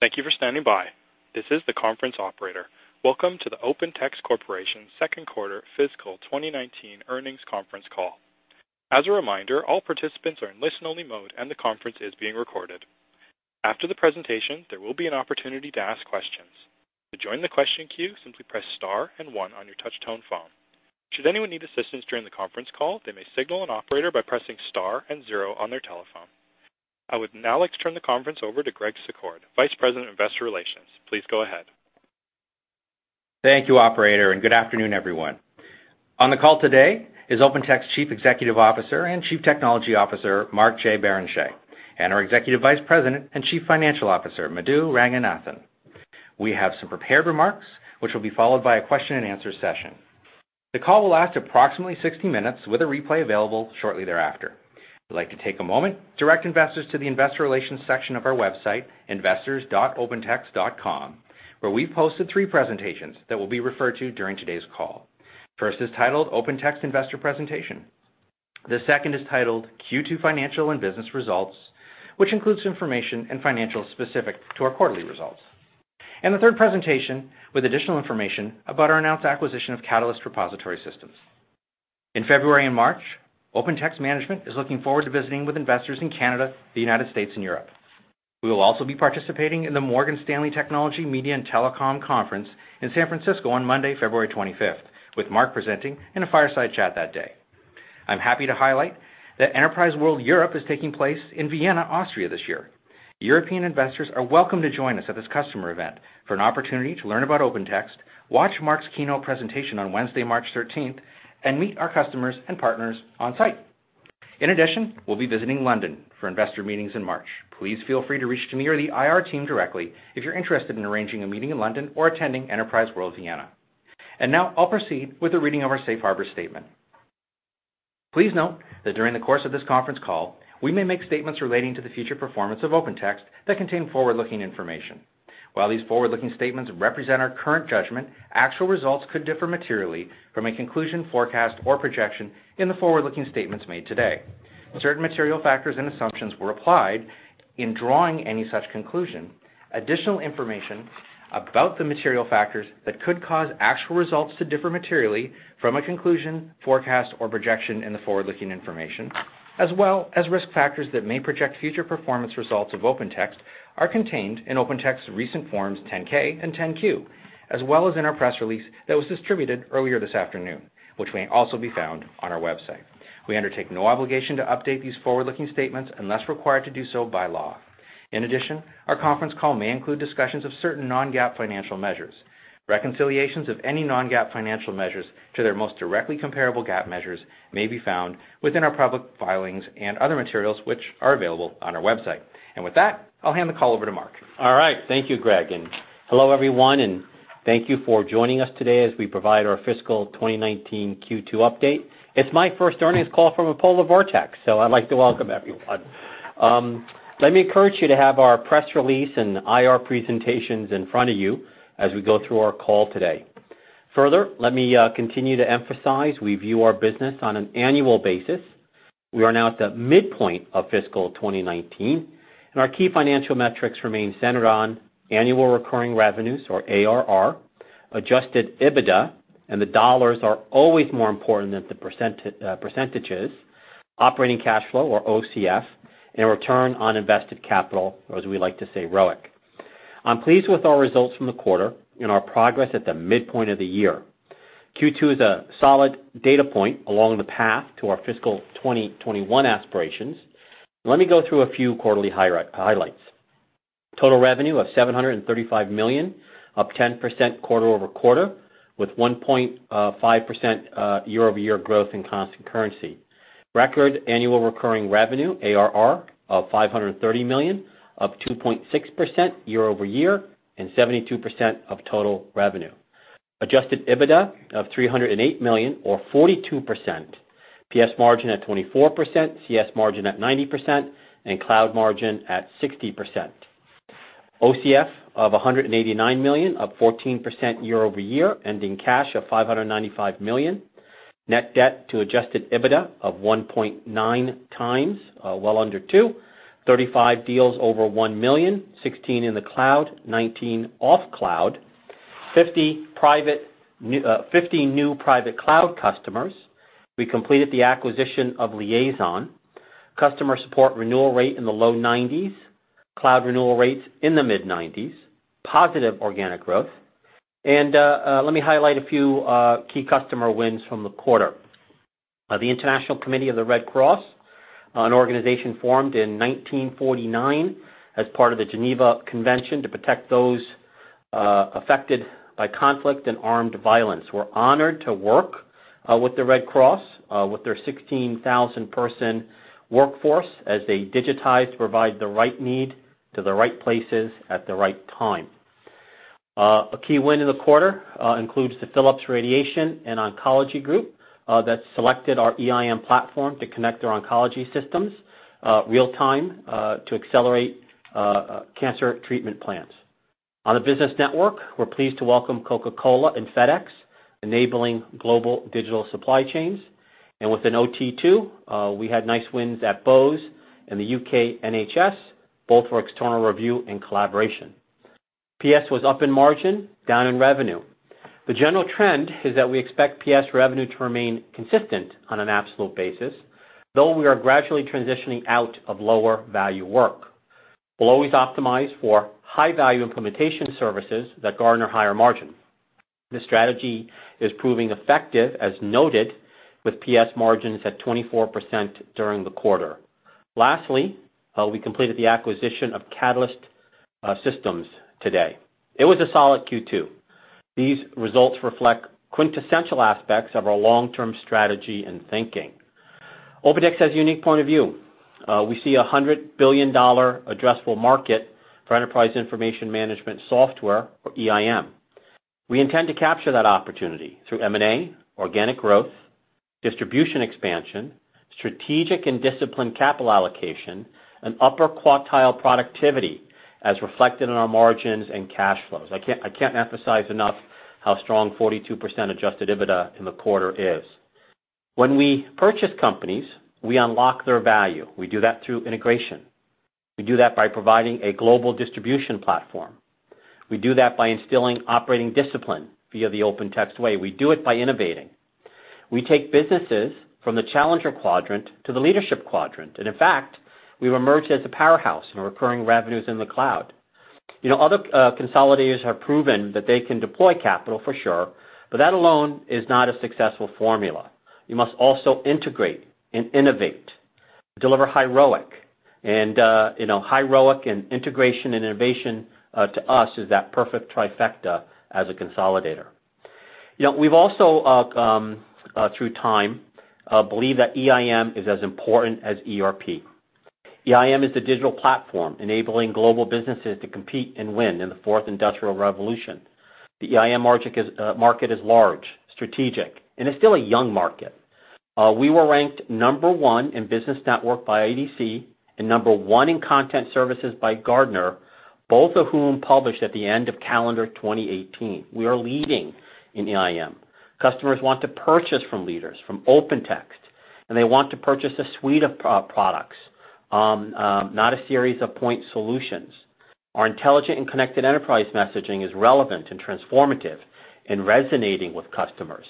Thank you for standing by. This is the conference operator. Welcome to the Open Text Corporation Second Quarter Fiscal 2019 Earnings Conference Call. As a reminder, all participants are in listen only mode and the conference is being recorded. After the presentation, there will be an opportunity to ask questions. To join the question queue, simply press star and one on your touch-tone phone. Should anyone need assistance during the conference call, they may signal an operator by pressing star and zero on their telephone. I would now like to turn the conference over to Greg Secord, Vice President of Investor Relations. Please go ahead. Thank you, operator, and good afternoon, everyone. On the call today is Open Text Chief Executive Officer and Chief Technology Officer, Mark J. Barrenechea, and our Executive Vice President and Chief Financial Officer, Madhu Ranganathan. We have some prepared remarks, which will be followed by a question and answer session. The call will last approximately 60 minutes, with a replay available shortly thereafter. We'd like to take a moment to direct investors to the investor relations section of our website, investors.opentext.com, where we've posted three presentations that will be referred to during today's call. First is titled Open Text Investor Presentation. The second is titled Q2 Financial and Business Results, which includes information and financials specific to our quarterly results. The third presentation with additional information about our announced acquisition of Catalyst Repository Systems. In February and March, Open Text management is looking forward to visiting with investors in Canada, the United States, and Europe. We will also be participating in the Morgan Stanley Technology Media and Telecom Conference in San Francisco on Monday, February 25th, with Mark presenting in a fireside chat that day. I'm happy to highlight that Enterprise World Europe is taking place in Vienna, Austria this year. European investors are welcome to join us at this customer event for an opportunity to learn about Open Text, watch Mark's keynote presentation on Wednesday, March 13th, and meet our customers and partners on-site. In addition, we'll be visiting London for investor meetings in March. Please feel free to reach me or the IR team directly if you're interested in arranging a meeting in London or attending Enterprise World Vienna. I'll proceed with the reading of our safe harbor statement. Please note that during the course of this conference call, we may make statements relating to the future performance of Open Text that contain forward-looking information. While these forward-looking statements represent our current judgment, actual results could differ materially from a conclusion, forecast, or projection in the forward-looking statements made today. Certain material factors and assumptions were applied in drawing any such conclusion. Additional information about the material factors that could cause actual results to differ materially from a conclusion, forecast, or projection in the forward-looking information, as well as risk factors that may project future performance results of Open Text, are contained in Open Text's recent forms 10-K and 10-Q, as well as in our press release that was distributed earlier this afternoon, which may also be found on our website. We undertake no obligation to update these forward-looking statements unless required to do so by law. In addition, our conference call may include discussions of certain non-GAAP financial measures. Reconciliations of any non-GAAP financial measures to their most directly comparable GAAP measures may be found within our public filings and other materials, which are available on our website. With that, I'll hand the call over to Mark. All right. Thank you, Greg, hello, everyone, and thank you for joining us today as we provide our fiscal 2019 Q2 update. It's my first earnings call from a polar vortex, so I'd like to welcome everyone. Let me encourage you to have our press release and IR presentations in front of you as we go through our call today. Further, let me continue to emphasize we view our business on an annual basis. We are now at the midpoint of fiscal 2019, and our key financial metrics remain centered on annual recurring revenues, or ARR, adjusted EBITDA, and the dollars are always more important than the percentages, operating cash flow, or OCF, and return on invested capital, or as we like to say, ROIC. I'm pleased with our results from the quarter and our progress at the midpoint of the year. Q2 is a solid data point along the path to our fiscal 2021 aspirations. Let me go through a few quarterly highlights. Total revenue of $735 million, up 10% quarter-over-quarter, with 1.5% year-over-year growth in constant currency. Record annual recurring revenue, ARR, of $530 million, up 2.6% year-over-year and 72% of total revenue. Adjusted EBITDA of $308 million, or 42%. PS margin at 24%, CS margin at 90%, and cloud margin at 60%. OCF of $189 million, up 14% year-over-year, ending cash of $595 million. Net debt to adjusted EBITDA of 1.9 times, well under two. 35 deals over $1 million, 16 in the cloud, 19 off cloud. 50 new private cloud customers. We completed the acquisition of Liaison. Customer support renewal rate in the low 90s. Cloud renewal rates in the mid-90s. Positive organic growth. Let me highlight a few key customer wins from the quarter. The International Committee of the Red Cross, an organization formed in 1949 as part of the Geneva Convention to protect those affected by conflict and armed violence. We're honored to work with the Red Cross with their 16,000-person workforce as they digitize to provide the right need to the right places at the right time. A key win in the quarter includes the Philips Radiation Oncology Group that selected our EIM platform to connect their oncology systems real-time to accelerate cancer treatment plans. On the business network, we're pleased to welcome Coca-Cola and FedEx enabling global digital supply chains, and within OT2, we had nice wins at Bose and the U.K. NHS, both for external review and collaboration. PS was up in margin, down in revenue. The general trend is that we expect PS revenue to remain consistent on an absolute basis, though we are gradually transitioning out of lower value work. We'll always optimize for high-value implementation services that garner higher margin. This strategy is proving effective, as noted, with PS margins at 24% during the quarter. Lastly, we completed the acquisition of Catalyst Systems today. It was a solid Q2. These results reflect quintessential aspects of our long-term strategy and thinking. OpenText has a unique point of view. We see a $100 billion addressable market for enterprise information management software, or EIM. We intend to capture that opportunity through M&A, organic growth, distribution expansion, strategic and disciplined capital allocation, and upper quartile productivity, as reflected in our margins and cash flows. I can't emphasize enough how strong 42% adjusted EBITDA in the quarter is. When we purchase companies, we unlock their value. We do that through integration. We do that by providing a global distribution platform. We do that by instilling operating discipline via The OpenText Way. We do it by innovating. We take businesses from the challenger quadrant to the leadership quadrant. In fact, we've emerged as a powerhouse in recurring revenues in the cloud. Other consolidators have proven that they can deploy capital for sure, but that alone is not a successful formula. You must also integrate and innovate, deliver HIROIC. HIROIC and integration and innovation, to us, is that perfect trifecta as a consolidator. We've also, through time, believed that EIM is as important as ERP. EIM is the digital platform enabling global businesses to compete and win in the fourth industrial revolution. The EIM market is large, strategic, and it's still a young market. We were ranked number one in business network by IDC and number one in content services by Gartner, both of whom published at the end of calendar 2018. We are leading in EIM. Customers want to purchase from leaders, from OpenText, and they want to purchase a suite of products, not a series of point solutions. Our intelligent and connected enterprise messaging is relevant and transformative and resonating with customers.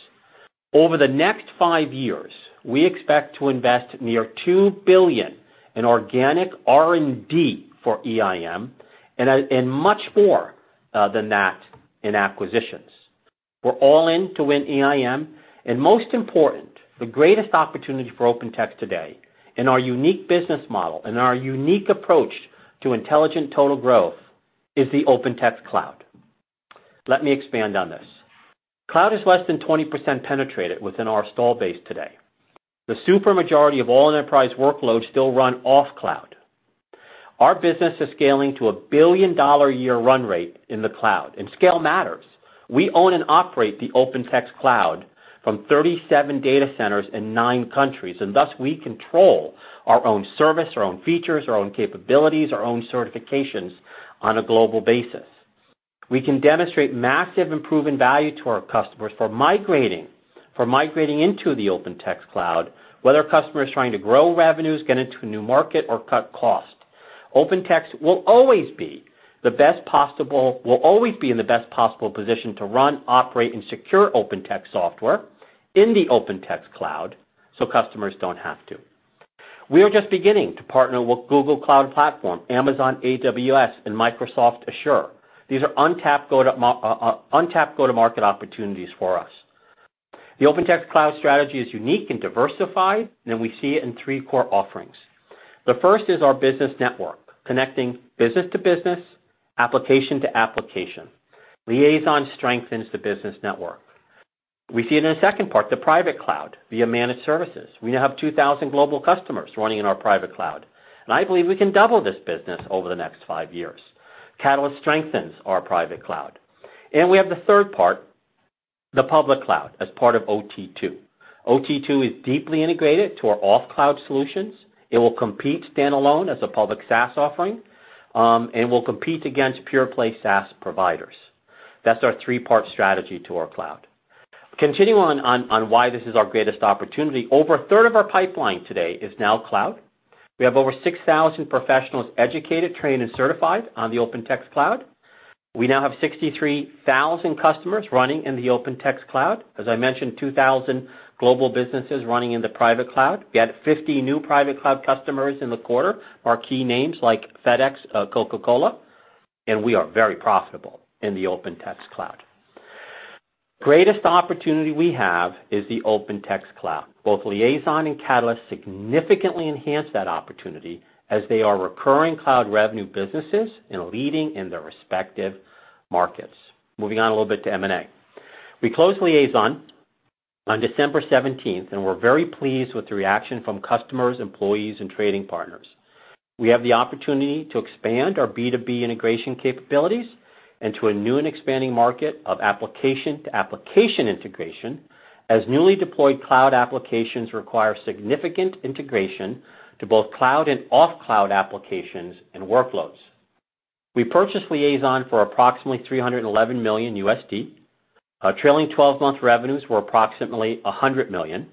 Over the next five years, we expect to invest near $2 billion in organic R&D for EIM and much more than that in acquisitions. We're all in to win EIM, and most important, the greatest opportunity for OpenText today and our unique business model and our unique approach to intelligent total growth is the OpenText cloud. Let me expand on this. Cloud is less than 20% penetrated within our install base today. The super majority of all enterprise workloads still run off cloud. Our business is scaling to a billion-dollar a year run rate in the cloud, and scale matters. We own and operate the OpenText cloud from 37 data centers in nine countries, and thus we control our own service, our own features, our own capabilities, our own certifications on a global basis. We can demonstrate massive improving value to our customers for migrating into the OpenText cloud, whether a customer is trying to grow revenues, get into a new market, or cut cost. OpenText will always be in the best possible position to run, operate, and secure OpenText software in the OpenText cloud so customers don't have to. We are just beginning to partner with Google Cloud Platform, Amazon AWS, and Microsoft Azure. These are untapped go-to-market opportunities for us. The OpenText cloud strategy is unique and diversified. We see it in three core offerings. The first is our business network, connecting business to business, application to application. Liaison strengthens the business network. We see it in a second part, the private cloud, via managed services. We now have 2,000 global customers running in our private cloud. I believe we can double this business over the next 5 years. Catalyst strengthens our private cloud. We have the third part, the public cloud, as part of OT2. OT2 is deeply integrated to our off-cloud solutions. It will compete standalone as a public SaaS offering. It will compete against pure-play SaaS providers. That's our three-part strategy to our cloud. Continuing on why this is our greatest opportunity, over a third of our pipeline today is now cloud. We have over 6,000 professionals educated, trained, and certified on the OpenText cloud. We now have 63,000 customers running in the OpenText cloud. As I mentioned, 2,000 global businesses running in the private cloud. We had 50 new private cloud customers in the quarter, are key names like FedEx, Coca-Cola. We are very profitable in the OpenText cloud. Greatest opportunity we have is the OpenText cloud. Both Liaison and Catalyst significantly enhance that opportunity as they are recurring cloud revenue businesses and leading in their respective markets. Moving on a little bit to M&A. We closed Liaison on December 17th. We're very pleased with the reaction from customers, employees, and trading partners. We have the opportunity to expand our B2B integration capabilities into a new and expanding market of application-to-application integrationAs newly deployed cloud applications require significant integration to both cloud and off cloud applications and workloads. We purchased Liaison for approximately $311 million. Trailing 12 month revenues were approximately $100 million.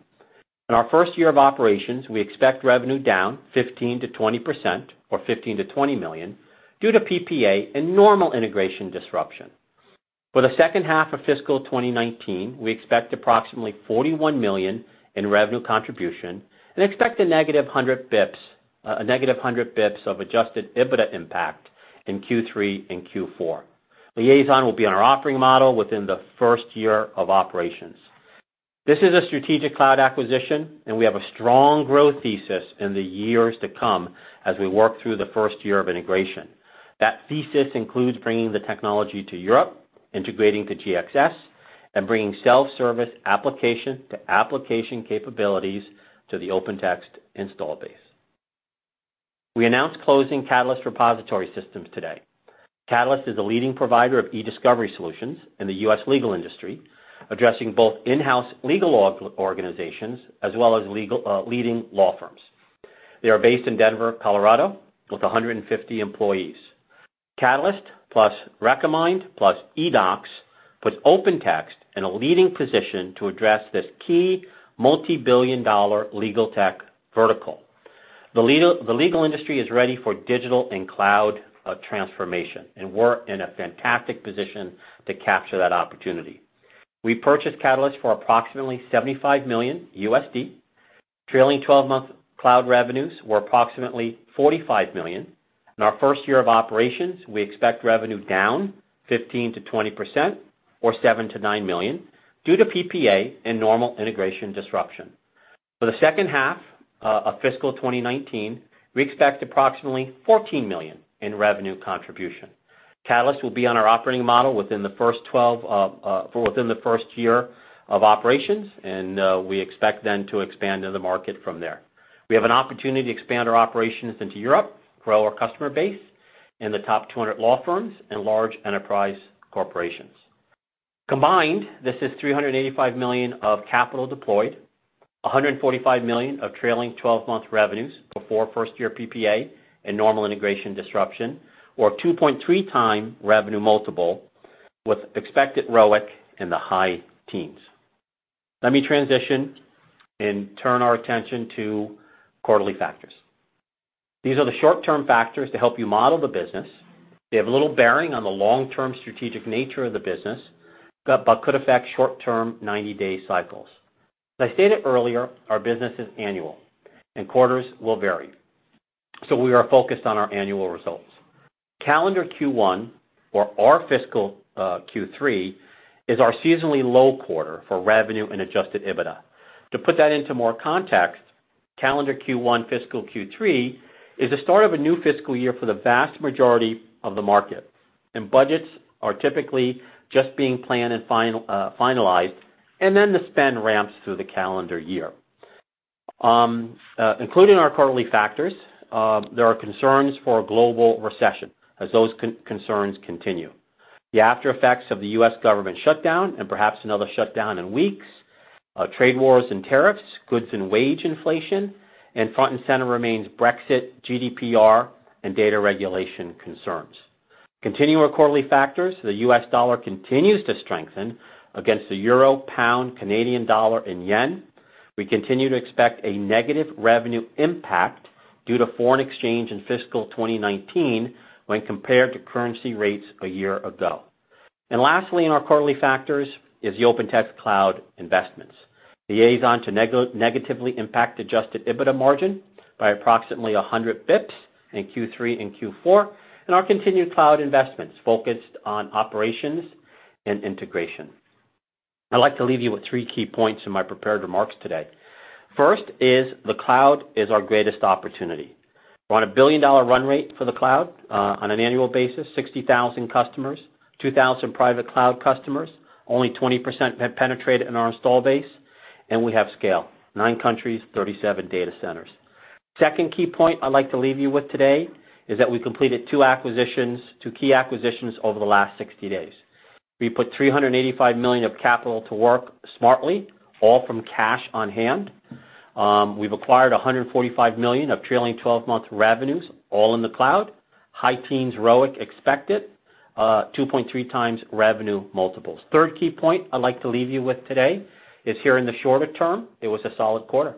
In our first year of operations, we expect revenue down 15%-20%, or $15 million-$20 million, due to PPA and normal integration disruption. For the second half of fiscal 2019, we expect approximately $41 million in revenue contribution. We expect a negative 100 basis points of adjusted EBITDA impact in Q3 and Q4. Liaison will be on our offering model within the first year of operations. This is a strategic cloud acquisition. We have a strong growth thesis in the years to come as we work through the first year of integration. That thesis includes bringing the technology to Europe, integrating to GXS, and bringing self-service application to application capabilities to the Open Text install base. We announced closing Catalyst Repository Systems today. Catalyst is a leading provider of eDiscovery solutions in the U.S. legal industry, addressing both in-house legal organizations as well as leading law firms. They are based in Denver, Colorado, with 150 employees. Catalyst plus Recommind plus eDOCS puts Open Text in a leading position to address this key multibillion-dollar legal tech vertical. The legal industry is ready for digital and cloud transformation. We're in a fantastic position to capture that opportunity. We purchased Catalyst for approximately $75 million. Trailing 12 month cloud revenues were approximately $45 million. In our first year of operations, we expect revenue down 15%-20%, or $7 million-$9 million, due to PPA and normal integration disruption. For the second half of fiscal 2019, we expect approximately $14 million in revenue contribution. Catalyst will be on our operating model within the first year of operations, and we expect then to expand in the market from there. We have an opportunity to expand our operations into Europe, grow our customer base in the top 200 law firms and large enterprise corporations. Combined, this is $385 million of capital deployed, $145 million of trailing 12 months revenues before first-year PPA and normal integration disruption, or 2.3x revenue multiple with expected ROIC in the high teens. Let me transition and turn our attention to quarterly factors. These are the short-term factors to help you model the business. They have little bearing on the long-term strategic nature of the business, but could affect short-term 90-day cycles. As I stated earlier, our business is annual and quarters will vary. We are focused on our annual results. Calendar Q1, or our fiscal Q3, is our seasonally low quarter for revenue and adjusted EBITDA. To put that into more context, calendar Q1, fiscal Q3, is the start of a new fiscal year for the vast majority of the market, and budgets are typically just being planned and finalized, and then the spend ramps through the calendar year. Including our quarterly factors, there are concerns for a global recession as those concerns continue. The aftereffects of the U.S. government shutdown and perhaps another shutdown in weeks, trade wars and tariffs, goods and wage inflation, and front and center remains Brexit, GDPR, and data regulation concerns. Continuing our quarterly factors, the U.S. dollar continues to strengthen against the euro, pound, Canadian dollar, and yen. We continue to expect a negative revenue impact due to foreign exchange in fiscal 2019 when compared to currency rates a year ago. Lastly, in our quarterly factors is the OpenText cloud investments. Liaison to negatively impact adjusted EBITDA margin by approximately 100 basis points in Q3 and Q4, and our continued cloud investments focused on operations and integration. I'd like to leave you with three key points in my prepared remarks today. First is the cloud is our greatest opportunity. We're on a billion-dollar run rate for the cloud on an annual basis, 60,000 customers, 2,000 private cloud customers. Only 20% have penetrated in our install base, and we have scale, nine countries, 37 data centers. Second key point I'd like to leave you with today is that we completed two key acquisitions over the last 60 days. We put $385 million of capital to work smartly, all from cash on hand. We've acquired $145 million of trailing 12 months revenues, all in the cloud. High teens ROIC expected. 2.3x revenue multiples. Third key point I'd like to leave you with today is here in the shorter term, it was a solid quarter.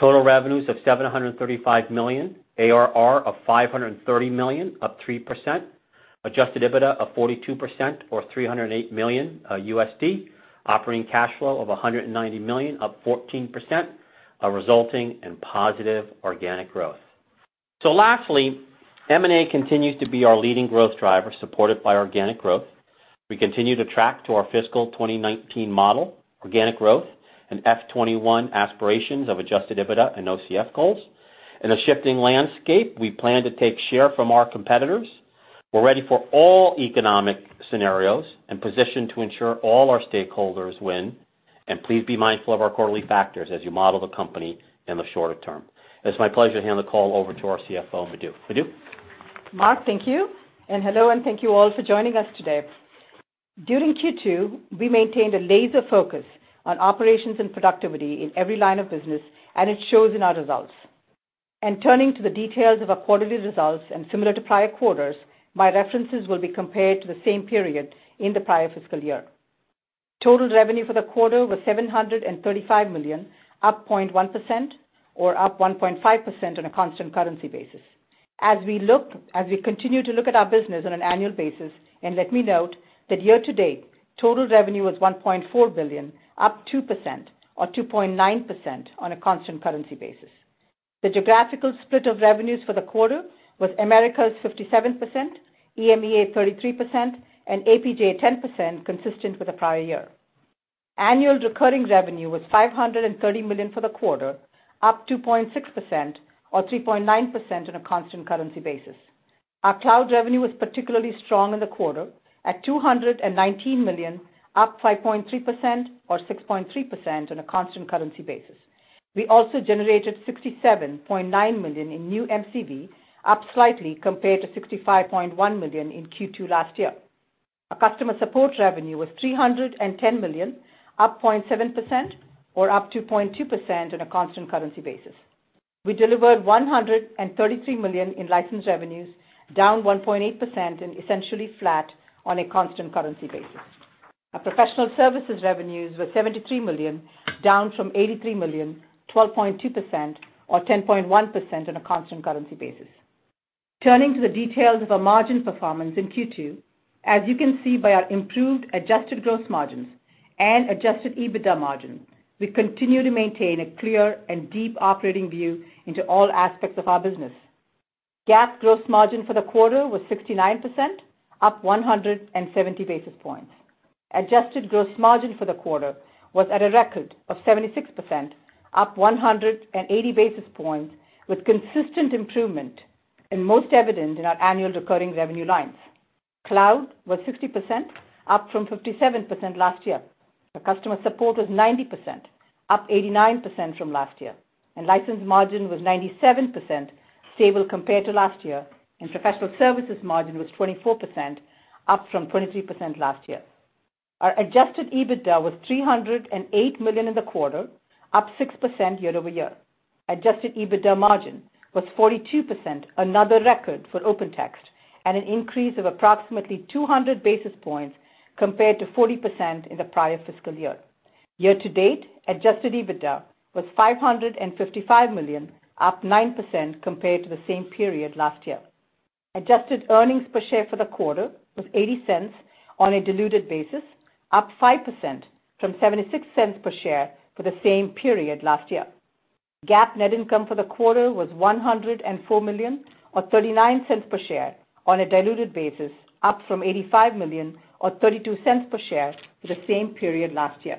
Total revenues of $735 million, ARR of $530 million, up 3%. Adjusted EBITDA of 42%, or $308 million. Operating cash flow of $190 million, up 14%, resulting in positive organic growth. Lastly, M&A continues to be our leading growth driver, supported by organic growth. We continue to track to our fiscal 2019 model, organic growth and FY 2021 aspirations of adjusted EBITDA and OCF goals. In a shifting landscape, we plan to take share from our competitors. We're ready for all economic scenarios and positioned to ensure all our stakeholders win. Please be mindful of our quarterly factors as you model the company in the shorter term. It's my pleasure to hand the call over to our CFO, Madhu. Madhu? Mark, thank you, and hello, and thank you all for joining us today. During Q2, we maintained a laser focus on operations and productivity in every line of business, and it shows in our results. Turning to the details of our quarterly results, similar to prior quarters, my references will be compared to the same period in the prior fiscal year. Total revenue for the quarter was $735 million, up 0.1%, or up 1.5% on a constant currency basis. As we continue to look at our business on an annual basis, let me note that year-to-date, total revenue was $1.4 billion, up 2% or 2.9% on a constant currency basis. The geographical split of revenues for the quarter was Americas 57%, EMEA 33%, and APJ 10%, consistent with the prior year. Annual recurring revenue was $530 million for the quarter, up 2.6%, or 3.9% on a constant currency basis. Our cloud revenue was particularly strong in the quarter at $219 million, up 5.3%, or 6.3% on a constant currency basis. We also generated $67.9 million in new MCV, up slightly compared to $65.1 million in Q2 last year. Our customer support revenue was $310 million, up 0.7%, or up 2.2% on a constant currency basis. We delivered $133 million in license revenues, down 1.8% and essentially flat on a constant currency basis. Our professional services revenues were $73 million, down from $83 million, 12.2%, or 10.1% on a constant currency basis. Turning to the details of our margin performance in Q2, as you can see by our improved adjusted gross margins and adjusted EBITDA margin, we continue to maintain a clear and deep operating view into all aspects of our business. GAAP gross margin for the quarter was 69%, up 170 basis points. Adjusted gross margin for the quarter was at a record of 76%, up 180 basis points, with consistent improvement and most evident in our annual recurring revenue lines. Cloud was 60%, up from 57% last year. Our customer support was 90%, up 89% from last year. License margin was 97%, stable compared to last year, and professional services margin was 24%, up from 23% last year. Our adjusted EBITDA was $308 million in the quarter, up 6% year-over-year. Adjusted EBITDA margin was 42%, another record for Open Text, and an increase of approximately 200 basis points compared to 40% in the prior fiscal year. Year-to-date, adjusted EBITDA was $555 million, up 9% compared to the same period last year. Adjusted earnings per share for the quarter was $0.80 on a diluted basis, up 5% from $0.76 per share for the same period last year. GAAP net income for the quarter was $104 million or $0.39 per share on a diluted basis, up from $85 million or $0.32 per share for the same period last year.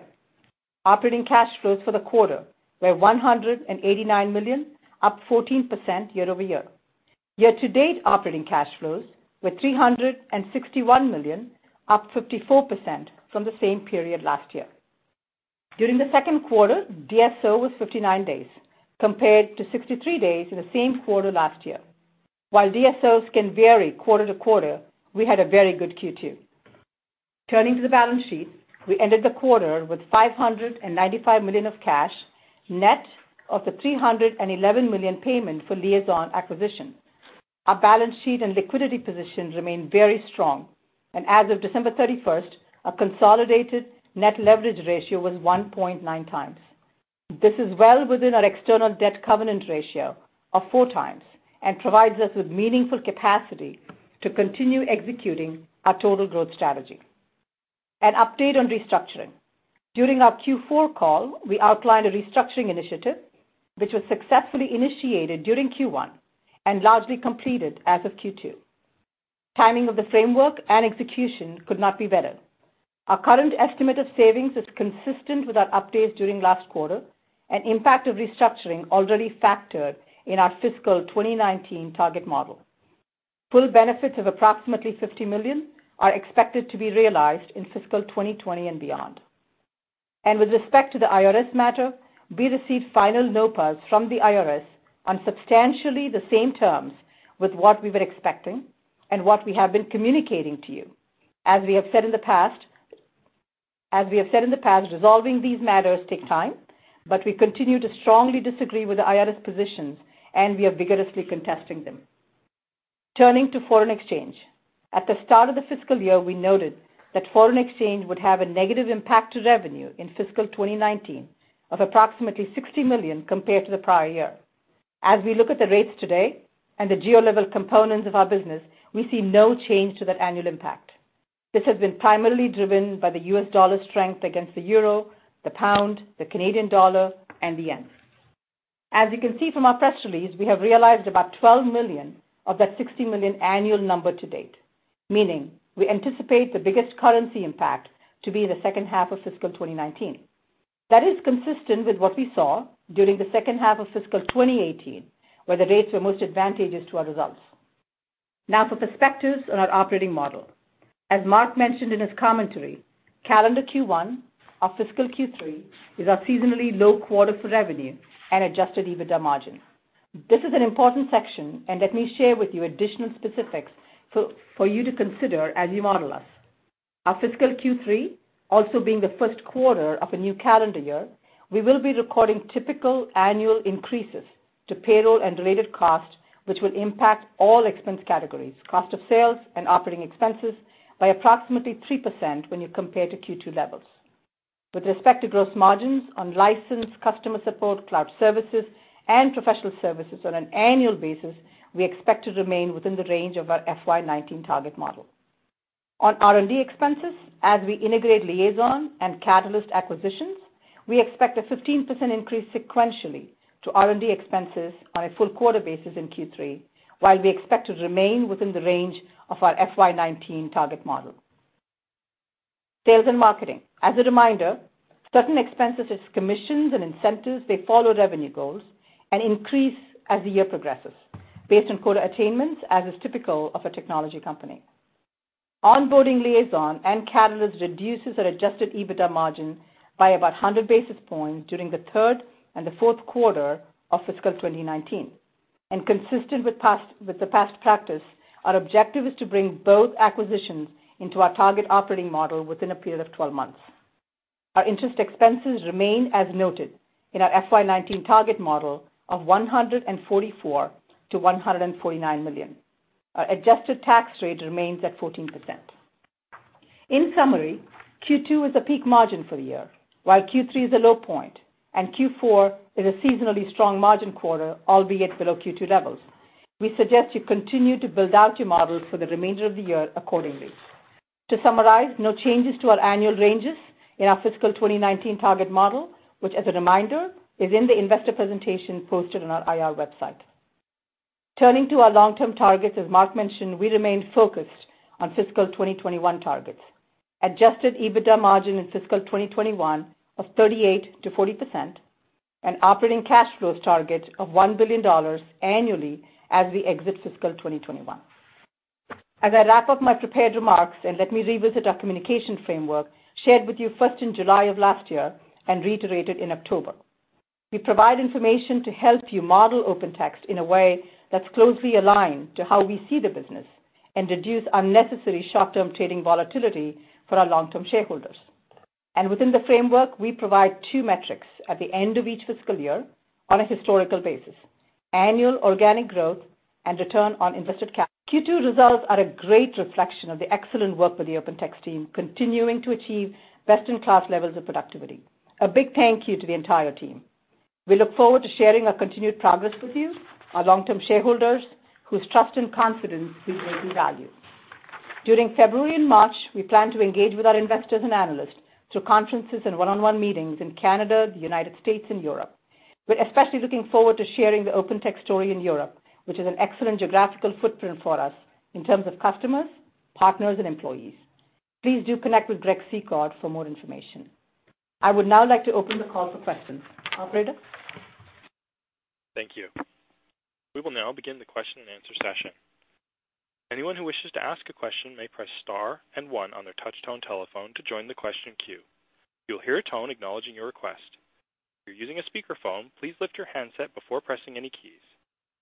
Operating cash flows for the quarter were $189 million, up 14% year-over-year. Year-to-date operating cash flows were $361 million, up 54% from the same period last year. During the second quarter, DSO was 59 days, compared to 63 days in the same quarter last year. While DSOs can vary quarter-to-quarter, we had a very good Q2. Turning to the balance sheet, we ended the quarter with $595 million of cash, net of the $311 million payment for Liaison acquisition. Our balance sheet and liquidity position remain very strong. As of December 31st, our consolidated net leverage ratio was 1.9 times. This is well within our external debt covenant ratio of 4 times and provides us with meaningful capacity to continue executing our total growth strategy. An update on restructuring. During our Q4 call, we outlined a restructuring initiative which was successfully initiated during Q1 and largely completed as of Q2. Timing of the framework and execution could not be better. Our current estimate of savings is consistent with our updates during last quarter. Impact of restructuring already factored in our fiscal 2019 target model. Full benefits of approximately $50 million are expected to be realized in fiscal 2020 and beyond. With respect to the IRS matter, we received final NOPAs from the IRS on substantially the same terms with what we were expecting and what we have been communicating to you. As we have said in the past, resolving these matters takes time. We continue to strongly disagree with the IRS positions, and we are vigorously contesting them. Turning to foreign exchange. At the start of the fiscal year, we noted that foreign exchange would have a negative impact to revenue in fiscal 2019 of approximately $60 million compared to the prior year. As we look at the rates today and the geo level components of our business, we see no change to that annual impact. This has been primarily driven by the U.S. dollar strength against the euro, the pound, the Canadian dollar, and the yen. As you can see from our press release, we have realized about $12 million of that $60 million annual number to date, meaning we anticipate the biggest currency impact to be in the second half of fiscal 2019. That is consistent with what we saw during the second half of fiscal 2018, where the rates were most advantageous to our results. Now for perspectives on our operating model. As Mark mentioned in his commentary, calendar Q1, our fiscal Q3, is our seasonally low quarter for revenue and adjusted EBITDA margin. This is an important section. Let me share with you additional specifics for you to consider as you model us. Our fiscal Q3, also being the first quarter of a new calendar year, we will be recording typical annual increases to payroll and related costs, which will impact all expense categories, cost of sales and operating expenses, by approximately 3% when you compare to Q2 levels. With respect to gross margins on license, customer support, cloud services, and professional services on an annual basis, we expect to remain within the range of our FY 2019 target model. On R&D expenses, as we integrate Liaison and Catalyst acquisitions, we expect a 15% increase sequentially to R&D expenses on a full quarter basis in Q3, while we expect to remain within the range of our FY 2019 target model. Sales and marketing. As a reminder, certain expenses such as commissions and incentives, they follow revenue goals and increase as the year progresses based on quota attainments, as is typical of a technology company. Onboarding Liaison and Catalyst reduces our adjusted EBITDA margin by about 100 basis points during the third and the fourth quarter of fiscal 2019. Consistent with the past practice, our objective is to bring both acquisitions into our target operating model within a period of 12 months. Our interest expenses remain as noted in our FY 2019 target model of $144 million-$149 million. Our adjusted tax rate remains at 14%. In summary, Q2 is a peak margin for the year, while Q3 is a low point, and Q4 is a seasonally strong margin quarter, albeit below Q2 levels. We suggest you continue to build out your models for the remainder of the year accordingly. To summarize, no changes to our annual ranges in our fiscal 2019 target model, which, as a reminder, is in the investor presentation posted on our IR website. Turning to our long-term targets, as Mark mentioned, we remain focused on fiscal 2021 targets. Adjusted EBITDA margin in fiscal 2021 of 38%-40%, and operating cash flows target of $1 billion annually as we exit fiscal 2021. As I wrap up my prepared remarks, let me revisit our communication framework shared with you first in July of last year and reiterated in October. We provide information to help you model OpenText in a way that's closely aligned to how we see the business and reduce unnecessary short-term trading volatility for our long-term shareholders. Within the framework, we provide two metrics at the end of each fiscal year on a historical basis, annual organic growth and return on invested. Q2 results are a great reflection of the excellent work of the OpenText team, continuing to achieve best-in-class levels of productivity. A big thank you to the entire team. We look forward to sharing our continued progress with you, our long-term shareholders, whose trust and confidence we greatly value. During February and March, we plan to engage with our investors and analysts through conferences and one-on-one meetings in Canada, the U.S., and Europe. We're especially looking forward to sharing the OpenText story in Europe, which is an excellent geographical footprint for us in terms of customers, partners, and employees. Please do connect with Greg Secord for more information. I would now like to open the call for questions. Operator? Thank you. We will now begin the question and answer session. Anyone who wishes to ask a question may press star and one on their touch-tone telephone to join the question queue. You'll hear a tone acknowledging your request. If you're using a speakerphone, please lift your handset before pressing any keys.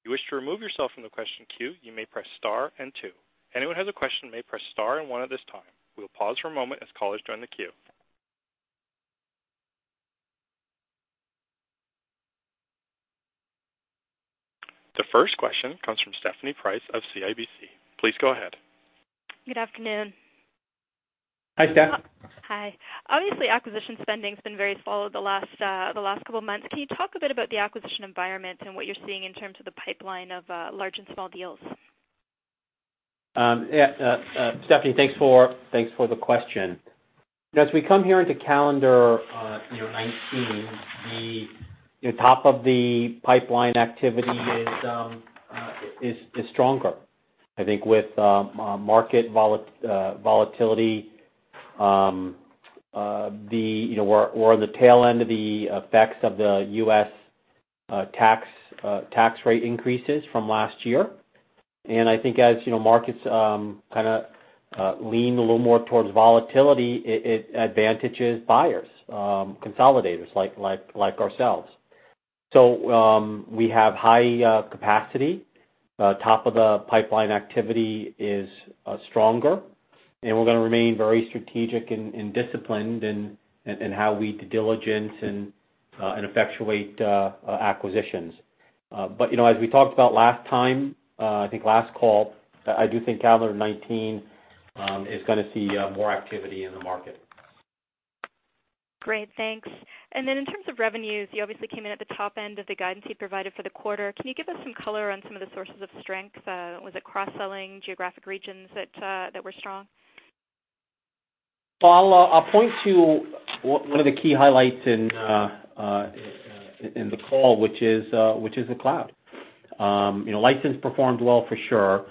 If you wish to remove yourself from the question queue, you may press star and two. Anyone who has a question may press star and one at this time. We will pause for a moment as callers join the queue. The first question comes from Stephanie Price of CIBC. Please go ahead. Good afternoon. Hi, Steph. Hi. Obviously, acquisition spending has been very slow the last couple of months. Can you talk a bit about the acquisition environment and what you're seeing in terms of the pipeline of large and small deals? Yeah, Stephanie, thanks for the question. As we come here into calendar 2019, the top of the pipeline activity is stronger. I think with market volatility, we're on the tail end of the effects of the U.S. tax rate increases from last year. I think as markets kind of lean a little more towards volatility, it advantages buyers, consolidators like ourselves. We have high capacity. Top of the pipeline activity is stronger, and we're going to remain very strategic and disciplined in how we due diligence and effectuate acquisitions. As we talked about last time, I think last call, I do think calendar 2019 is going to see more activity in the market. Great, thanks. In terms of revenues, you obviously came in at the top end of the guidance you provided for the quarter. Can you give us some color on some of the sources of strength? Was it cross-selling geographic regions that were strong? I'll point to one of the key highlights in the call, which is the cloud. License performed well for sure.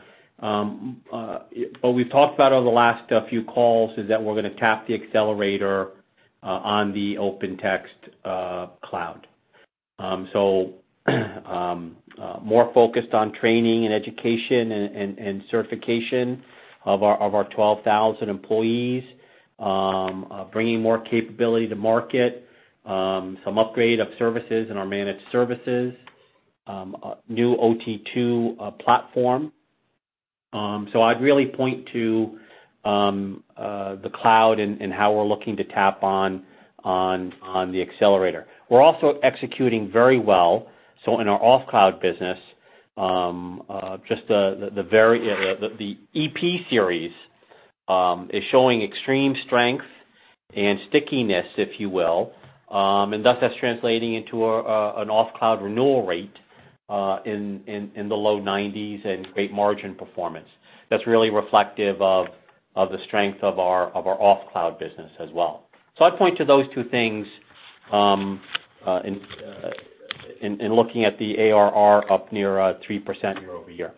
What we've talked about over the last few calls is that we're going to tap the accelerator on the OpenText cloud. More focused on training and education and certification of our 12,000 employees, bringing more capability to market, some upgrade of services in our managed services, new OT2 platform. I'd really point to the cloud and how we're looking to tap on the accelerator. We're also executing very well. In our off-cloud business, just the EP series is showing extreme strength and stickiness, if you will. That's translating into an off-cloud renewal rate in the low 90s and great margin performance. That's really reflective of the strength of our off-cloud business as well. I'd point to those two things in looking at the ARR up near 3% year-over-year.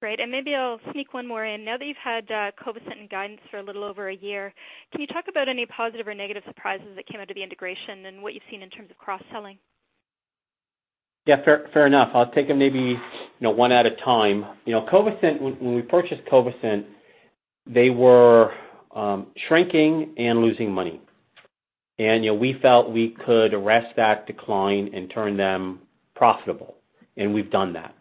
Great. Maybe I'll sneak one more in. Now that you've had Covisint Guidance for a little over a year, can you talk about any positive or negative surprises that came out of the integration and what you've seen in terms of cross-selling? Fair enough. I'll take them maybe one at a time. When we purchased Covisint, they were shrinking and losing money. We felt we could arrest that decline and turn them profitable, and we've done that.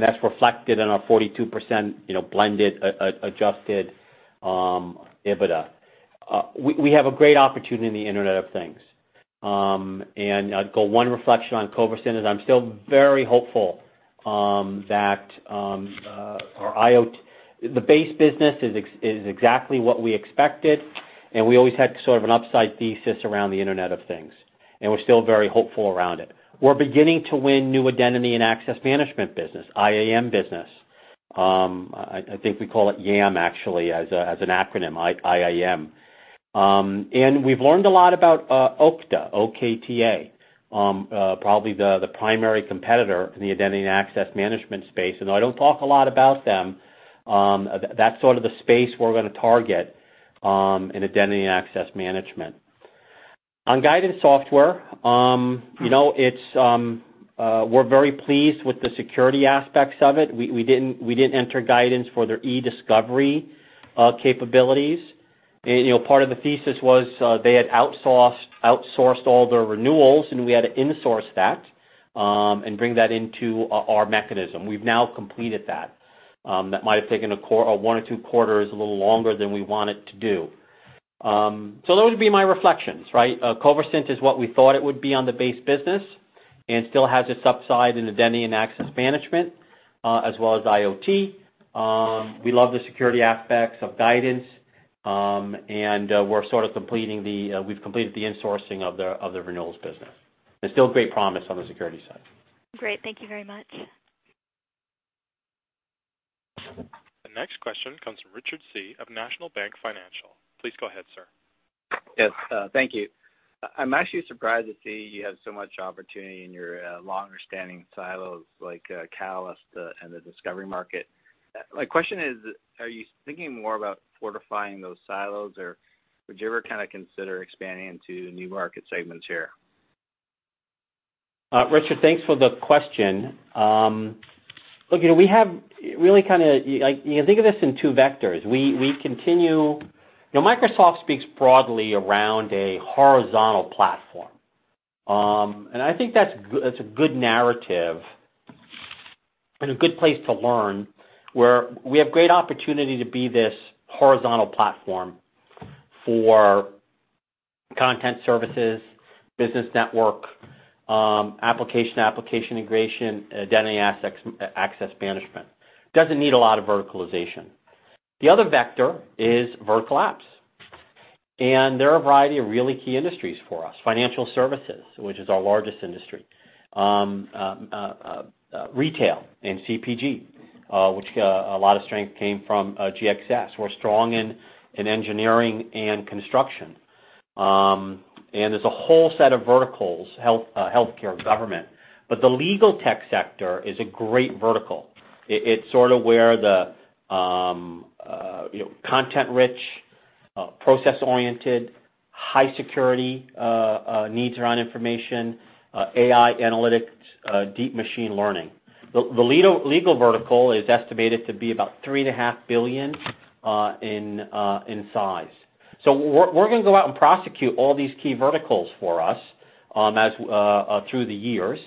That's reflected in our 42% blended adjusted EBITDA. We have a great opportunity in the Internet of Things. I'd go one reflection on Covisint is I'm still very hopeful that our IoT. The base business is exactly what we expected, and we always had sort of an upside thesis around the Internet of Things, and we're still very hopeful around it. We're beginning to win new identity and access management business, IAM business. I think we call it IAM, actually, as an acronym, I-A-M. We've learned a lot about Okta, O-K-T-A, probably the primary competitor in the identity and access management space. I don't talk a lot about them. That's sort of the space we're going to target in identity and access management. On Guidance Software, we're very pleased with the security aspects of it. We didn't enter Guidance for their eDiscovery capabilities. Part of the thesis was they had outsourced all their renewals, and we had to in-source that and bring that into our mechanism. We've now completed that. That might have taken one or two quarters, a little longer than we wanted to do. Those would be my reflections, right? Covisint is what we thought it would be on the base business and still has its upside in identity and access management, as well as IoT. We love the security aspects of Guidance, and we've completed the in-sourcing of the renewals business. There's still great promise on the security side. Great. Thank you very much. The next question comes from Richard Tse of National Bank Financial. Please go ahead, sir. Yes. Thank you. I'm actually surprised to see you have so much opportunity in your longer-standing silos like Catalyst and the Discovery market. My question is, are you thinking more about fortifying those silos, or would you ever kind of consider expanding into new market segments here? Richard, thanks for the question. Look, think of this in two vectors. Microsoft speaks broadly around a horizontal platform. I think that's a good narrative and a good place to learn, where we have great opportunity to be this horizontal platform for content services, business network, application-to-application integration, Identity and Access Management. Doesn't need a lot of verticalization. The other vector is vertical apps, and there are a variety of really key industries for us. Financial services, which is our largest industry, retail and CPG, which a lot of strength came from GXS. We're strong in engineering and construction. There's a whole set of verticals, healthcare, government. The legal tech sector is a great vertical. It's sort of where the content-rich, process-oriented, high-security needs around information, AI analytics, deep machine learning. The legal vertical is estimated to be about three and a half billion in size. We're going to go out and prosecute all these key verticals for us through the years.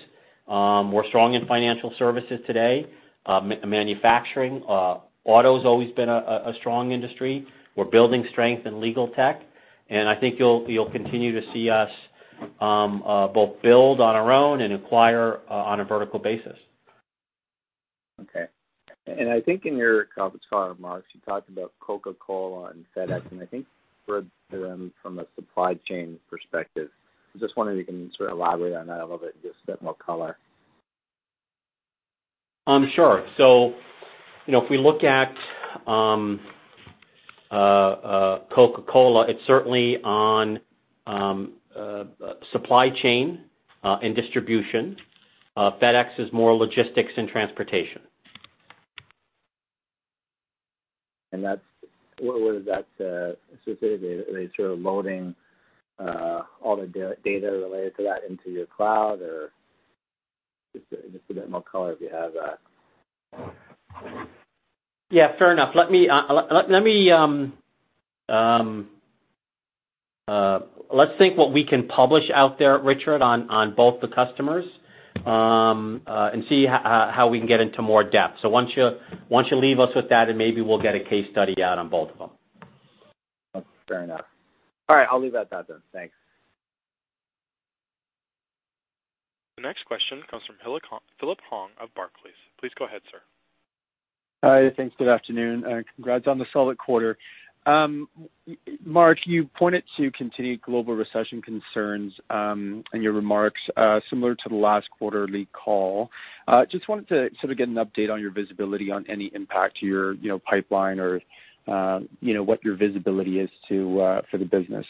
We're strong in financial services today. Manufacturing. Auto's always been a strong industry. We're building strength in legal tech, and I think you'll continue to see us both build on our own and acquire on a vertical basis. Okay. I think in your comments, remarks, you talked about Coca-Cola and FedEx, and I think for them from a supply chain perspective. I'm just wondering if you can sort of elaborate on that a little bit and give us a bit more color. Sure. If we look at Coca-Cola, it's certainly on supply chain and distribution. FedEx is more logistics and transportation. What was that specifically? Are they sort of loading all the data related to that into your cloud, or just a bit more color if you have that? Fair enough. Let's think what we can publish out there, Richard, on both the customers, and see how we can get into more depth. Why don't you leave us with that, and maybe we'll get a case study out on both of them. Fair enough. All right. I'll leave it at that then. Thanks. The next question comes from Phillip Huang of Barclays. Please go ahead, sir. Hi. Thanks. Good afternoon, and congrats on the solid quarter. Mark, you pointed to continued global recession concerns in your remarks, similar to the last quarterly call. Just wanted to sort of get an update on your visibility on any impact to your pipeline or what your visibility is for the business.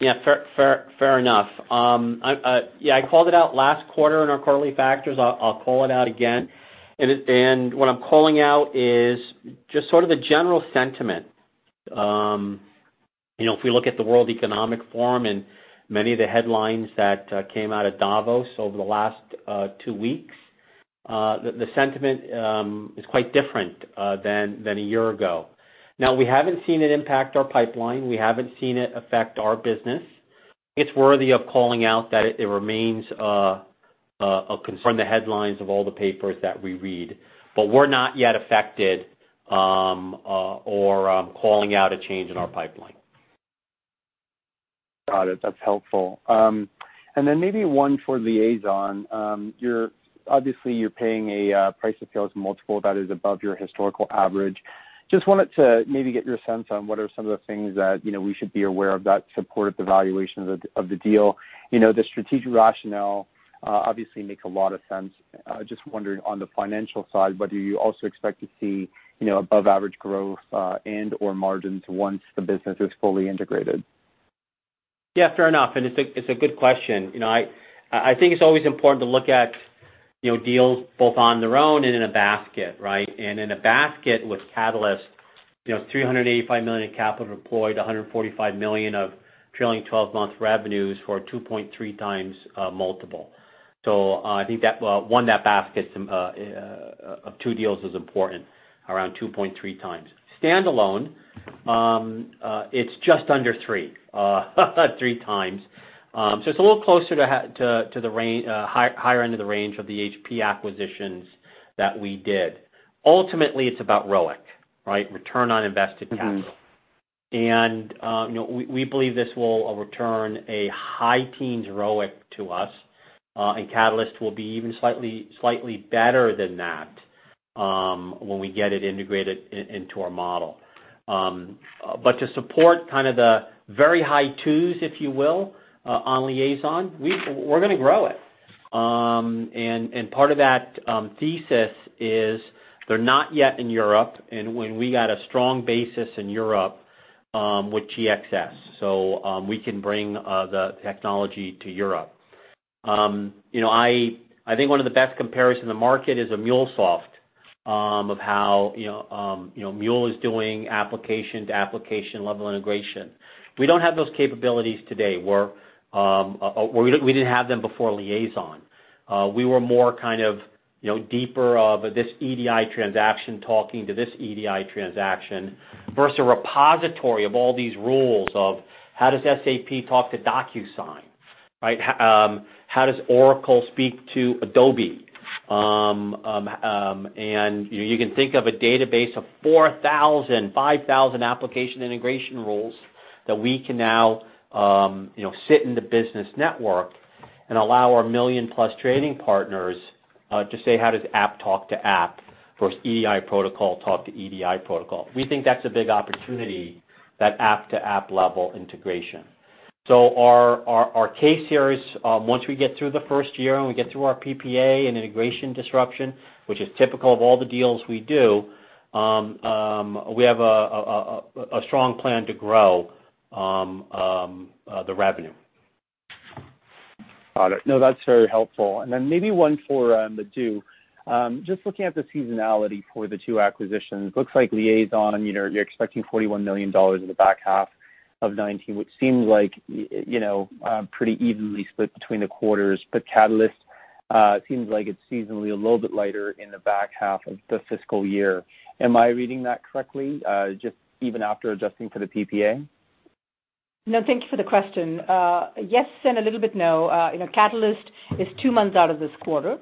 Yeah. Fair enough. I called it out last quarter in our quarterly factors. I'll call it out again. What I'm calling out is just sort of the general sentiment. If we look at the World Economic Forum and many of the headlines that came out of Davos over the last two weeks, the sentiment is quite different than a year ago. We haven't seen it impact our pipeline. We haven't seen it affect our business. It's worthy of calling out that it remains front the headlines of all the papers that we read, but we're not yet affected or calling out a change in our pipeline. Got it. That's helpful. Then maybe one for Liaison. Obviously, you're paying a price to sales multiple that is above your historical average. Just wanted to maybe get your sense on what are some of the things that we should be aware of that supported the valuation of the deal. The strategic rationale obviously makes a lot of sense. Just wondering on the financial side, whether you also expect to see above average growth and/or margins once the business is fully integrated. Yeah, fair enough, it's a good question. I think it's always important to look at deals both on their own and in a basket, right? In a basket with Catalyst, $385 million of capital employed, $145 million of trailing 12 months revenues for a 2.3x multiple. I think that one, that basket of two deals is important, around 2.3 times. Standalone, it's just under 3 times. It's a little closer to the higher end of the range of the HP acquisitions that we did. Ultimately, it's about ROIC, right? Return on invested capital. We believe this will return a high teens ROIC to us, and Catalyst will be even slightly better than that when we get it integrated into our model. To support kind of the very high 2s, if you will, on Liaison, we're going to grow it. Part of that thesis is they're not yet in Europe, and we got a strong basis in Europe with GXS, so we can bring the technology to Europe. I think one of the best comparisons in the market is a MuleSoft of how Mule is doing application-to-application level integration. We don't have those capabilities today. We didn't have them before Liaison. We were more kind of deeper of this EDI transaction talking to this EDI transaction versus a repository of all these rules of how does SAP talk to DocuSign, right? How does Oracle speak to Adobe? You can think of a database of 4,000, 5,000 application integration rules that we can now sit in the business network and allow our million-plus trading partners to say how does app talk to app versus EDI protocol talk to EDI protocol. We think that's a big opportunity, that app-to-app level integration. Our case here is, once we get through the first year and we get through our PPA and integration disruption, which is typical of all the deals we do, we have a strong plan to grow the revenue. Got it. That's very helpful. Then maybe one for Madhu. Just looking at the seasonality for the two acquisitions, looks like Liaison, you're expecting $41 million in the back half of 2019, which seems like pretty evenly split between the quarters. Catalyst, seems like it's seasonally a little bit lighter in the back half of the fiscal year. Am I reading that correctly, just even after adjusting for the PPA? No, thank you for the question. Yes, a little bit no. Catalyst is two months out of this quarter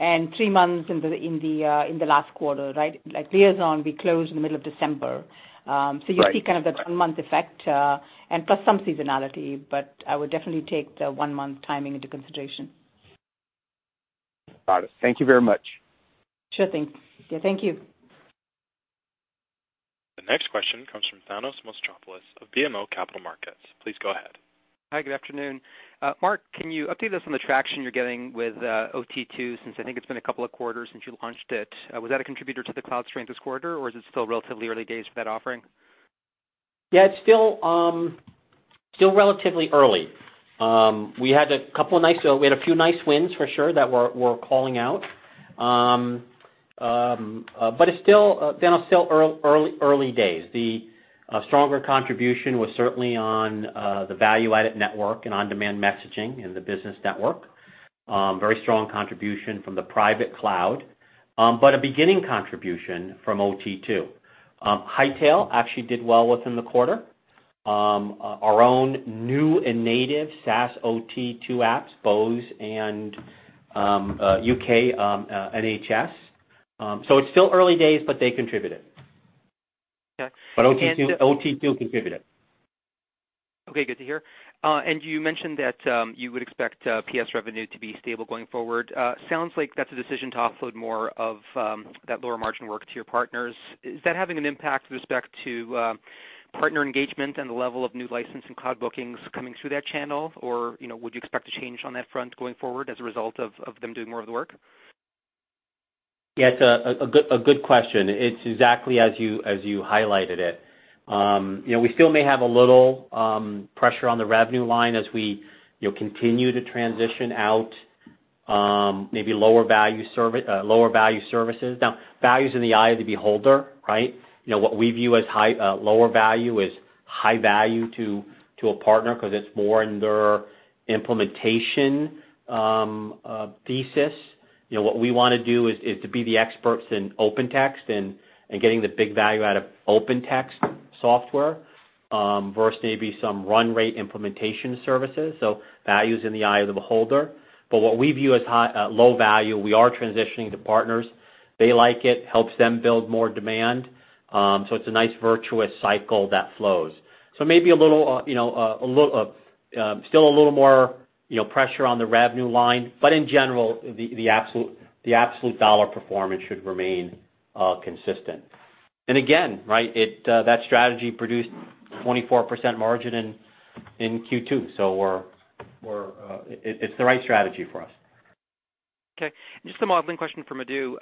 and three months in the last quarter, right? Like Liaison, we closed in the middle of December. Right. You see kind of the two-month effect, plus some seasonality. I would definitely take the one-month timing into consideration. Got it. Thank you very much. Sure thing. Yeah, thank you. The next question comes from Thanos Moschopoulos of BMO Capital Markets. Please go ahead. Hi, good afternoon. Mark, can you update us on the traction you're getting with OT2, since I think it's been a couple of quarters since you launched it? Was that a contributor to the cloud strength this quarter, or is it still relatively early days for that offering? Yeah, it's still relatively early. We had a few nice wins for sure that we're calling out. It's still early days. The stronger contribution was certainly on the value-added network and on-demand messaging in the business network. Very strong contribution from the private cloud. But a beginning contribution from OT2. Hightail actually did well within the quarter. Our own new and native SaaS OT2 apps, Bose and UK NHS. It's still early days, but they contributed. Okay. OT2 contributed. Okay, good to hear. You mentioned that you would expect PS revenue to be stable going forward. Sounds like that's a decision to offload more of that lower margin work to your partners. Is that having an impact with respect to partner engagement and the level of new license and cloud bookings coming through that channel? Would you expect a change on that front going forward as a result of them doing more of the work? Yes, a good question. It's exactly as you highlighted it. We still may have a little pressure on the revenue line as we continue to transition out maybe lower value services. Value's in the eye of the beholder, right? What we view as lower value is high value to a partner because it's more in their implementation thesis. What we want to do is to be the experts in Open Text and getting the big value out of Open Text software, versus maybe some run rate implementation services. Value's in the eye of the beholder. What we view as low value, we are transitioning to partners. They like it, helps them build more demand. It's a nice virtuous cycle that flows. Maybe still a little more pressure on the revenue line, but in general, the absolute dollar performance should remain consistent. Again, that strategy produced 24% margin in Q2, it's the right strategy for us. Okay. Just a modeling question for Madhu.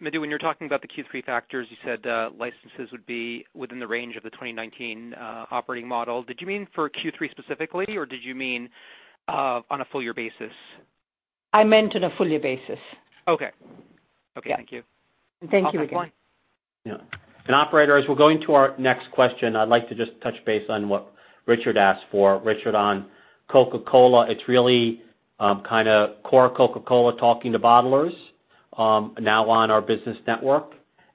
Madhu, when you're talking about the Q3 factors, you said licenses would be within the range of the 2019 operating model. Did you mean for Q3 specifically, or did you mean on a full year basis? I meant on a full year basis. Okay. Thank you. Thank you again. Yeah. Operator, as we're going to our next question, I'd like to just touch base on what Richard asked for. Richard, on Coca-Cola, it's really kind of core Coca-Cola talking to bottlers now on our business network.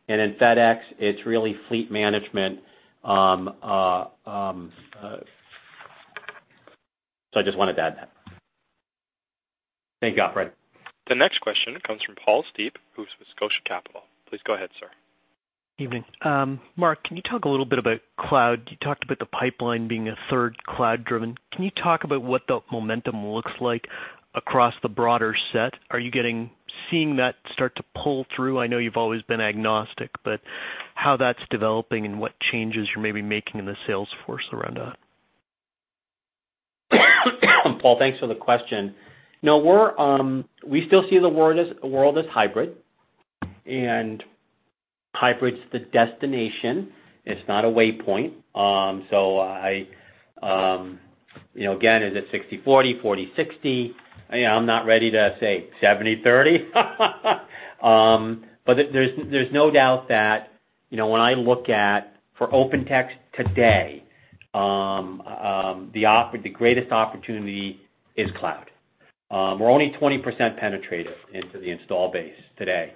In FedEx, it's really fleet management. I just wanted to add that. Thank you, operator. The next question comes from Paul Steep, who's with Scotia Capital. Please go ahead, sir. Evening. Mark, can you talk a little bit about cloud? You talked about the pipeline being a third cloud driven. Can you talk about what the momentum looks like across the broader set? Are you seeing that start to pull through? I know you've always been agnostic, but how that's developing and what changes you're maybe making in the sales force around that? Paul, thanks for the question. We still see the world as hybrid's the destination. It's not a waypoint. Again, is it 60/40/60? I'm not ready to say 70/30. There's no doubt that when I look at, for Open Text today, the greatest opportunity is cloud. We're only 20% penetrative into the install base today.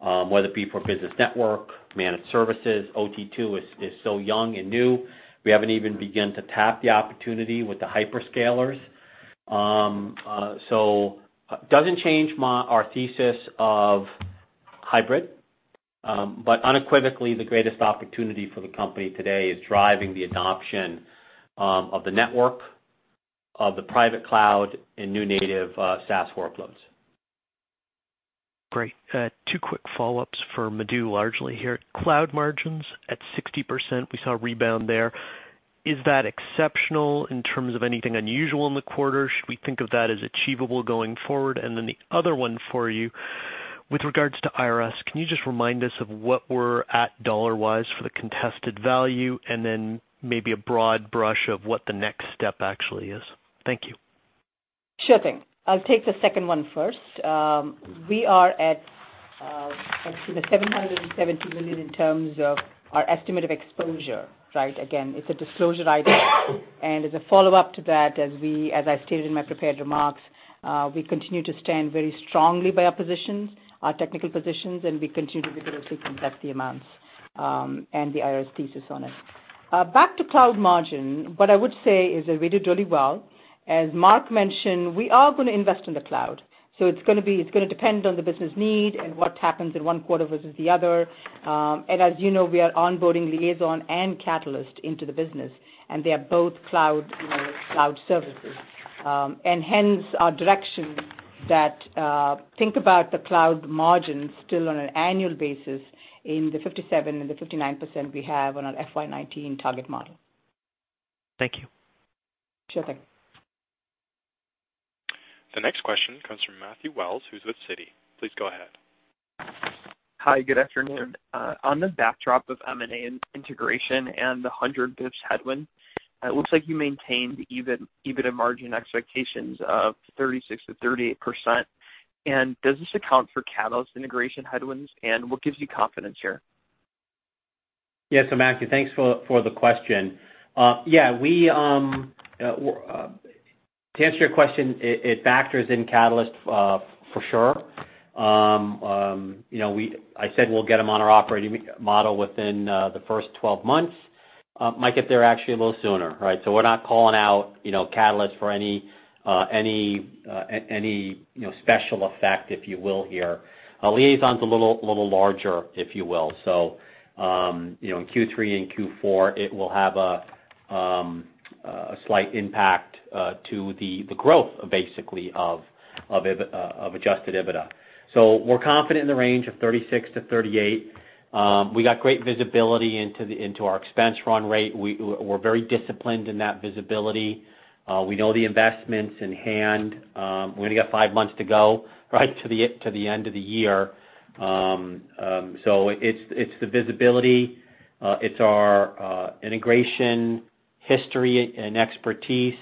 Whether it be for business network, managed services, OT2 is so young and new, we haven't even begun to tap the opportunity with the hyperscalers. Doesn't change our thesis of hybrid. Unequivocally, the greatest opportunity for the company today is driving the adoption of the network, of the private cloud, and new native SaaS workloads. Great. Two quick follow-ups for Madhu largely here. Cloud margins at 60%, we saw a rebound there. Is that exceptional in terms of anything unusual in the quarter? Should we think of that as achievable going forward? The other one for you, with regards to IRS, can you just remind us of what we're at dollar-wise for the contested value, and then maybe a broad brush of what the next step actually is? Thank you. Sure thing. I'll take the second one first. We are at $770 million in terms of our estimate of exposure. Again, it's a disclosure item. As a follow-up to that, as I stated in my prepared remarks, we continue to stand very strongly by our positions, our technical positions, and we continue to vigorously contest the amounts, and the IRS thesis on it. Back to cloud margin, what I would say is that we did really well. As Mark mentioned, we are going to invest in the cloud. It's going to depend on the business need and what happens in one quarter versus the other. As you know, we are onboarding Liaison and Catalyst into the business, and they are both cloud services. Hence our direction that think about the cloud margin still on an annual basis in the 57% and the 59% we have on our FY 2019 target model. Thank you. Sure thing The next question comes from Matthew Wells, who is with Citi. Please go ahead. Hi, good afternoon. On the backdrop of M&A integration and the 100 basis points headwind, it looks like you maintained EBITDA margin expectations of 36%-38%. Does this account for Catalyst integration headwinds, and what gives you confidence here? Matthew, thanks for the question. To answer your question, it factors in Catalyst for sure. I said we will get them on our operating model within the first 12 months. Might get there actually a little sooner, right? We are not calling out Catalyst for any special effect, if you will, here. Liaison's a little larger, if you will. In Q3 and Q4, it will have a slight impact to the growth, basically, of adjusted EBITDA. We are confident in the range of 36%-38%. We got great visibility into our expense run rate. We are very disciplined in that visibility. We know the investments in hand. We only got five months to go, right, to the end of the year. It's the visibility. It's our integration history and expertise.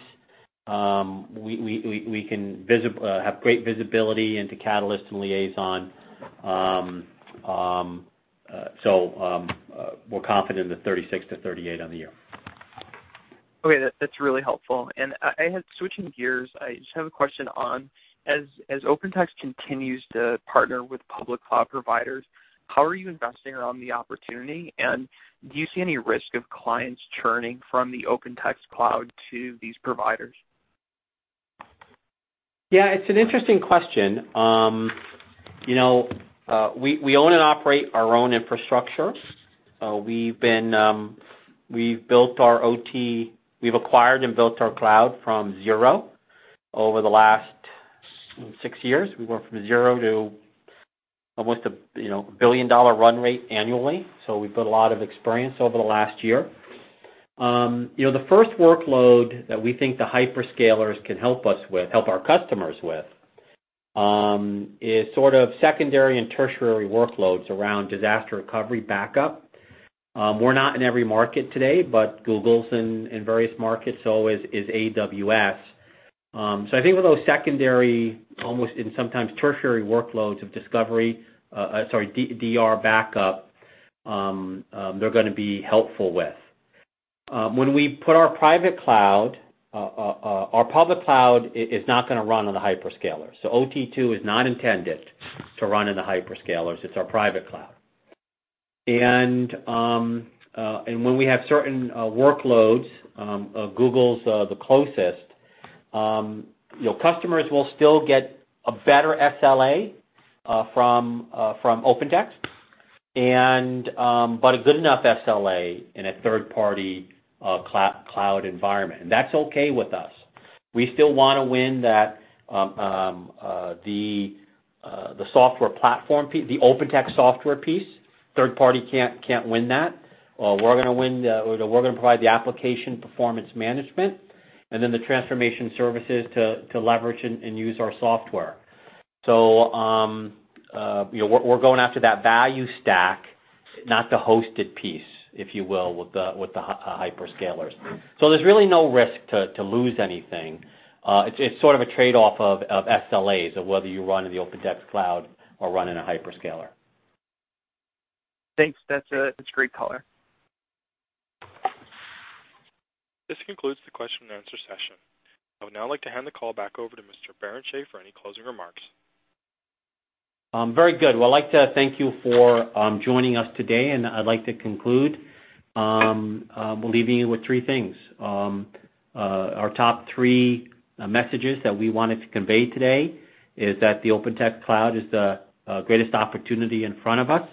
We can have great visibility into Catalyst and Liaison. We're confident in the 36-38 on the year. Okay. That's really helpful. Switching gears, I just have a question on, as OpenText continues to partner with public cloud providers, how are you investing around the opportunity, and do you see any risk of clients churning from the OpenText cloud to these providers? It's an interesting question. We own and operate our own infrastructure. We've acquired and built our cloud from zero over the last six years. We went from zero to almost a $1 billion run rate annually, we've built a lot of experience over the last year. The first workload that we think the hyperscalers can help our customers with is sort of secondary and tertiary workloads around disaster recovery backup. We're not in every market today, but Google's in various markets, so is AWS. I think with those secondary, almost, and sometimes tertiary workloads of DR backup, they're gonna be helpful with. When we put our public cloud is not gonna run on the hyperscalers. OT2 is not intended to run in the hyperscalers. It's our private cloud. When we have certain workloads, Google's the closest. Customers will still get a better SLA from OpenText, but a good enough SLA in a third-party cloud environment, that's okay with us. We still want to win the OpenText software piece. Third party can't win that. We're gonna provide the application performance management and then the transformation services to leverage and use our software. We're going after that value stack, not the hosted piece, if you will, with the hyperscalers. There's really no risk to lose anything. It's sort of a trade-off of SLAs of whether you run in the OpenText cloud or run in a hyperscaler. Thanks. That's great color. This concludes the question and answer session. I would now like to hand the call back over to Mr. Barrenechea for any closing remarks. Very good. Well, I'd like to thank you for joining us today. I'd like to conclude by leaving you with three things. Our top three messages that we wanted to convey today is that the OpenText cloud is the greatest opportunity in front of us.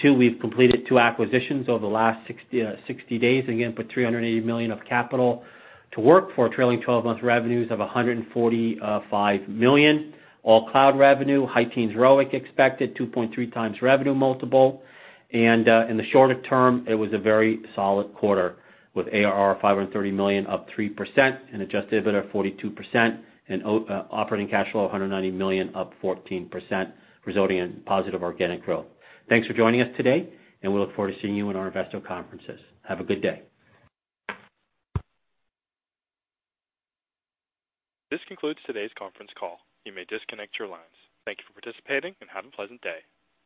Two, we've completed two acquisitions over the last 60 days, again, put $380 million of capital to work for trailing 12 months revenues of $145 million, all cloud revenue, high teens ROIC expected, 2.3 times revenue multiple. In the shorter term, it was a very solid quarter with ARR $530 million, up 3%, and adjusted EBITDA 42%, and operating cash flow $190 million, up 14%, resulting in positive organic growth. Thanks for joining us today. We look forward to seeing you in our investor conferences. Have a good day. This concludes today's conference call. You may disconnect your lines. Thank you for participating. Have a pleasant day.